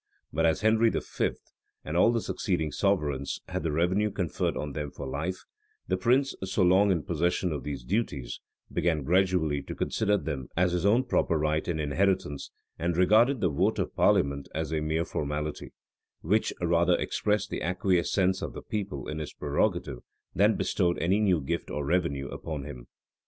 But as Henry V., and all the succeeding sovereigns, had the revenue conferred on them for life, the prince, so long in possession of these duties, began gradually to consider them as his own proper right and inheritance, and regarded the vote of parliament as a mere formality, which rather expressed the acquiescence of the people in his prerogative, than bestowed any new gift or revenue upon him.